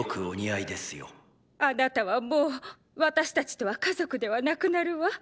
あなたはもう私たちとは家族ではなくなるわ。